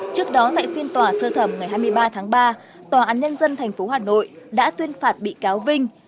trước đó tại phiên tòa sơ thẩm ngày hai mươi ba tháng ba tòa án nhân dân tp hà nội đã tuyên phạt bị cáo vinh